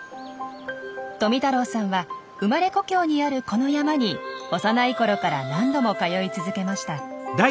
富太郎さんは生まれ故郷にあるこの山に幼いころから何度も通い続けました。